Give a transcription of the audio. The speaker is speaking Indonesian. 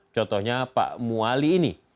contohnya pak muali ini